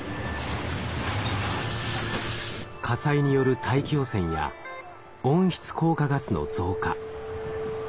火災による大気汚染や温室効果ガスの増加。